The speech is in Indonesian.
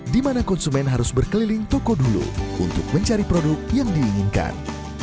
di mana konsumen harus berkeliling toko dulu untuk mencari produk yang diinginkan